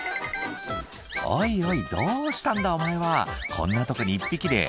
「おいおいどうしたんだお前はこんなとこに１匹で」